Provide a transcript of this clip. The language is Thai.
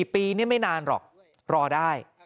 ๔ปีนี่ไม่นานหรอกรอได้